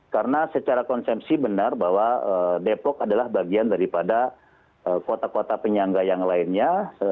karena secara konsepsi benar bahwa depok adalah bagian daripada kota kota penyangga yang lainnya